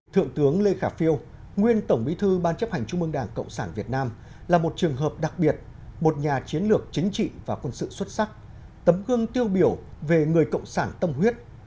thượng tướng lê khả phiêu nguyên tổng bí thư ban chấp hành trung ương đảng cộng sản việt nam là một trường hợp đặc biệt một nhà chiến lược chính trị và quân sự xuất sắc tấm gương tiêu biểu về người cộng sản tâm huyết